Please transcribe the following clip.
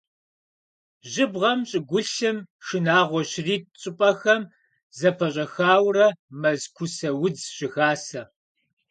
Жьыбгъэм щӀыгулъым шынагъуэ щрит щӀыпӀэхэм зэпэщӀэхаурэ мэз кусэ удз щыхасэ.